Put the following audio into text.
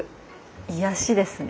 癒やしですね。